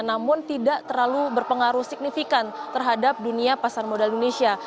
namun tidak terlalu berpengaruh signifikan terhadap dunia pasar modal indonesia